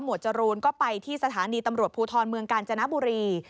จรูนก็ไปที่สถานีตำรวจภูทรเมืองกาญจนบุรี